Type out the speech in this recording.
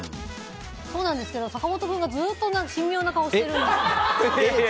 そうなんですけど坂本君がずっと神妙な顔してるんです。